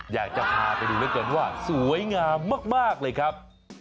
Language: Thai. อยากจะพาไปดูเหลือเกินว่าสวยงามมากเลยครับ